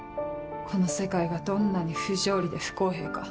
この世界がどんなに不条理で不公平か。